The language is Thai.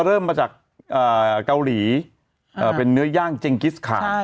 เริ่มมาจากเกาหลีเอ่อเป็นเนื้อย่างเจงคิดค่ะใช่